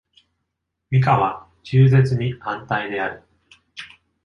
ミカは中絶に反対である。